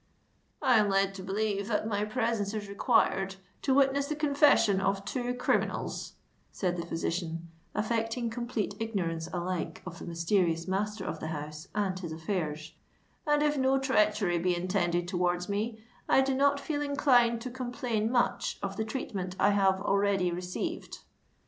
"I am led to believe that my presence is required to witness the confession of two criminals," said the physician, affecting complete ignorance alike of the mysterious master of the house and his affairs; "and if no treachery be intended towards me, I do not feel inclined to complain much of the treatment I have already received."